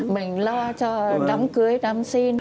mình lo cho đóng cưới đóng xin